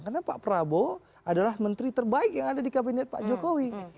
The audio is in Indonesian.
karena pak prabowo adalah menteri terbaik yang ada di kabinet pak jokowi